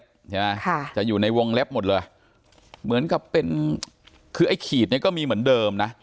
ใช่ไหมค่ะจะอยู่ในวงเล็บหมดเลยเหมือนกับเป็นคือไอ้ขีดเนี่ยก็มีเหมือนเดิมนะ